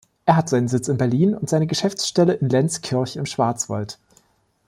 Er hat seinen Sitz in Berlin und seine Geschäftsstelle in Lenzkirch im Schwarzwald.